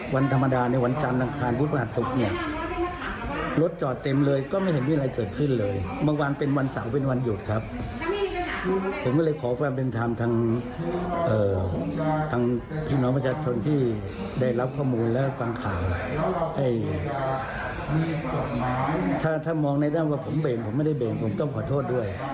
ผมเบ่งผมไม่ได้เบ่งผมต้องขอโทษด้วย